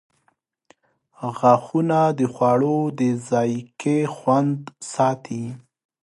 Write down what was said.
• غاښونه د خوړو د ذایقې خوند ساتي.